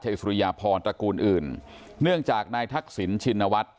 เฉยสุรยพรตระกูลอื่นเงื่องจากนายทักศิลป์ชินวัตร